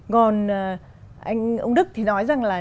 còn anh ông đức thì nói rằng là